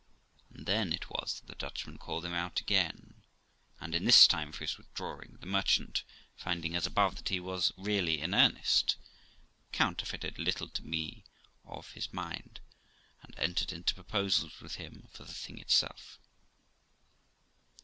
And then it was that the Dutchman called him out again ; and in this time of his withdrawing, the merchant, finding, as above, that he was really in earnest, counterfeited a little to be of his mind, and entered into proposals with him for the thing itself.